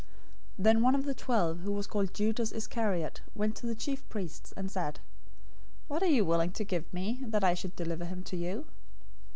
026:014 Then one of the twelve, who was called Judas Iscariot, went to the chief priests, 026:015 and said, "What are you willing to give me, that I should deliver him to you?"